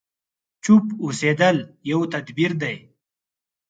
چوپ اوسېدل يو تدبير دی.